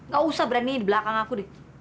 gak usah berani di belakang aku nih